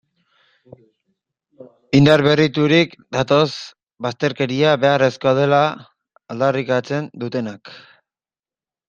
Indar berriturik datoz bazterkeria beharrezkoa dela aldarrikatzen dutenak.